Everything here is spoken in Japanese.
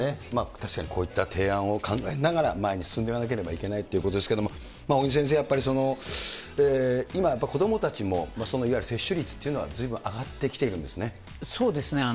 確かにこういった提案を考えながら、前に進んでいかなければいけないっていうことですけれども、尾木先生、やっぱり子どもたちもいわゆる接種率っていうのはずいぶん上がっそうですね。